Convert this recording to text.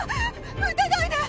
撃たないで！